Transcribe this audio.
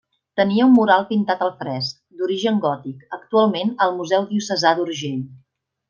Tenia un mural pintat al fresc, d'origen gòtic, actualment al Museu Diocesà d'Urgell.